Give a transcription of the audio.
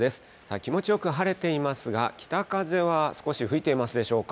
気持ちよく晴れていますが、北風は少し吹いていますでしょうか。